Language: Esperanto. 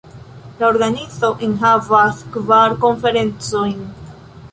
La organizo enhavas kvar konferencojn.